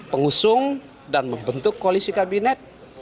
pengusung dan membentuk koalisi kabinet